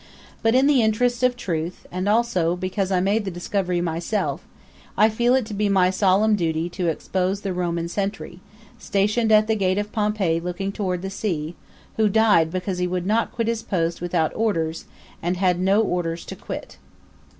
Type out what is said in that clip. But in the interests of truth, and also because I made the discovery myself, I feel it to be my solemn duty to expose the Roman sentry, stationed at the gate of Pompeii looking toward the sea, who died because he would not quit his post without orders and had no orders to quit.